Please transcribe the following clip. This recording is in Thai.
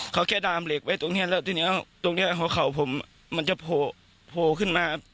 เขาแค่ดามเหล็กไว้ตรงนี้แล้วทีนี้ตรงนี้หัวเข่าผมมันจะโผล่ขึ้นมา